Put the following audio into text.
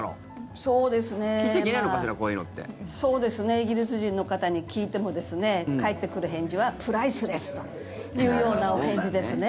イギリス人の方に聞いても返ってくる返事はプライスレスというようなお返事ですね。